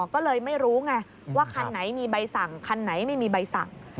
ก็เลยไม่รู้ไงว่าคันไหนมีใบสั่งคันไหนไม่มีใบสั่ง